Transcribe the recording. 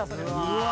うわ！